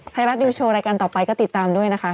ไทยรัฐนิวโชว์รายการต่อไปก็ติดตามด้วยนะคะ